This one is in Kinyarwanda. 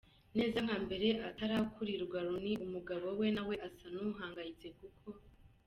neza nka mbere atarakurirwa, Rooney, umugabo we na we asa nuhangayitse kuko.